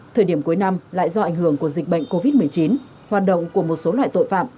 thời điểm cuối năm lại do ảnh hưởng của dịch bệnh covid một mươi chín hoạt động của một số loại tội phạm